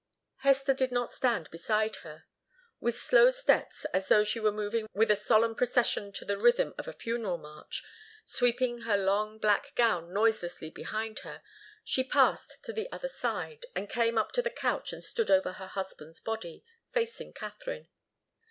Hester did not stand beside her. With slow steps, as though she were moving with a solemn procession to the rhythm of a funeral march, sweeping her long black gown noiselessly behind her, she passed to the other side, and came up to the couch and stood over her husband's body, facing Katharine.